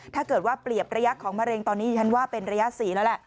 ถ้าเกิดว่าเปรียบระยะของมะเร็งตอนนี้ฉันว่าเป็นระยะ๔แล้วแหละ